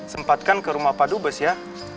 sempatkan ke rumah padu bes ya